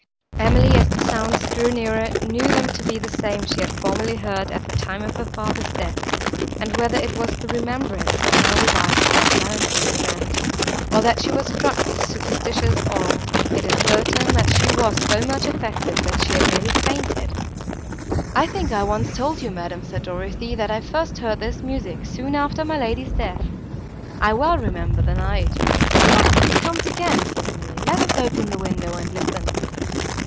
Emily, as the sounds drew nearer, knew them to be the same she had formerly heard at the time of her father's death, and, whether it was the remembrance they now revived of that melancholy event, or that she was struck with superstitious awe, it is certain she was so much affected, that she had nearly fainted. "I think I once told you, madam," said Dorothée, "that I first heard this music, soon after my lady's death! I well remember the night!"— "Hark! it comes again!" said Emily, "let us open the window, and listen."